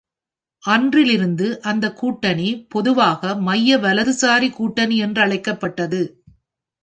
அன்றிலிருந்து அந்தக் கூட்டணி பொதுவாக மைய-வலதுசாரி கூட்டணி என்றழைக்கப்பட்டது.